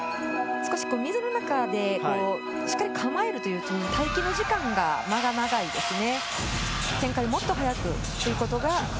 少し水の中で、しっかり構えるという、待機の時間、間が長いですね。